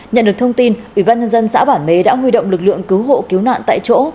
nhận được thông tin ubnd xã bản mế đã huy động lực lượng cứu hộ cứu nạn tại chỗ